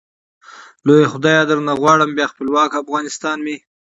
لويه خدايه درنه غواړم ، بيا خپلوک افغانستان مي